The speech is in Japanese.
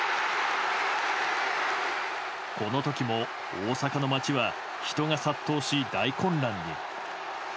この時も大阪の街は人が殺到し大混乱に。